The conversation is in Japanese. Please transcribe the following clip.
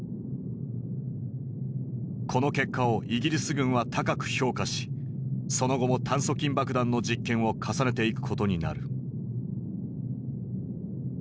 この結果をイギリス軍は高く評価しその後も炭疽菌爆弾の実験を重ねていくことになる。